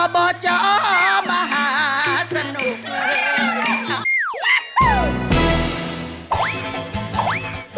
บจมหาสนุก